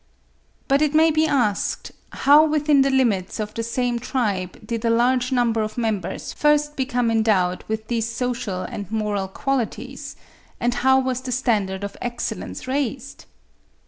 But it may be asked, how within the limits of the same tribe did a large number of members first become endowed with these social and moral qualities, and how was the standard of excellence raised?